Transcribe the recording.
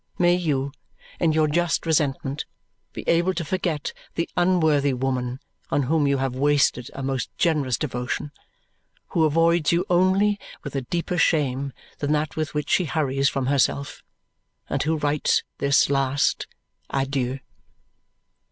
May you, in your just resentment, be able to forget the unworthy woman on whom you have wasted a most generous devotion who avoids you only with a deeper shame than that with which she hurries from herself and who writes this last adieu.